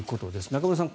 中室さん